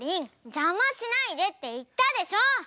「じゃましないで」っていったでしょ！